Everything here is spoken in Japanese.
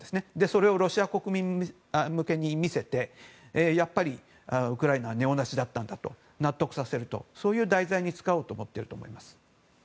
それをロシア国民向けに見せてやっぱりウクライナはネオナチだったんだと納得させるという題材に使おうと思っていると思います。